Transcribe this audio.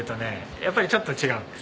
やっぱりちょっと違うんです。